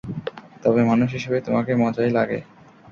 তবে মানুষ হিসেবে তোমাকে মজাই লাগে।